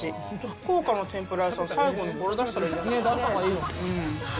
福岡の天ぷら屋さん、最後にこれ出したらいいのに。